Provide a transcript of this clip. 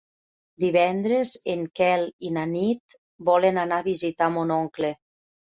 Divendres en Quel i na Nit volen anar a visitar mon oncle.